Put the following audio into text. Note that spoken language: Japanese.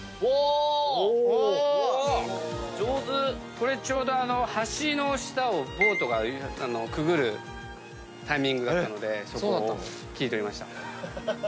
これちょうど橋の下をボートがくぐるタイミングがあったので切り取りました。